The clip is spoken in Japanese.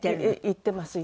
行ってます。